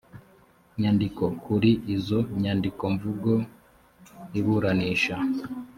nyandiko kuri izo nyandikomvugo iburanisha